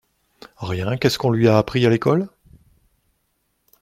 Rien ! qu’est-ce qu’on lui a appris à l’école ?